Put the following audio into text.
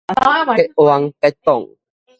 結嚾結黨